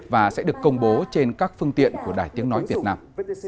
và sẽ được công bố trên các phương tiện của đài tiếng nói việt nam